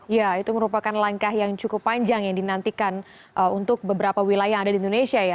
ya itu merupakan langkah yang cukup panjang yang dinantikan untuk beberapa wilayah yang ada di indonesia ya